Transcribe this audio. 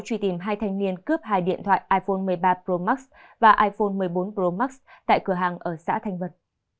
truy tìm hai thanh niên cướp hai điện thoại iphone một mươi ba pro max và iphone một mươi bốn pro max tại cửa hàng ở xã thanh vân